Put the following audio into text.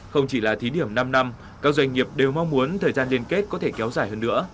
không chỉ là thí điểm năm năm các doanh nghiệp đều mong muốn thời gian liên kết có thể kéo dài hơn nữa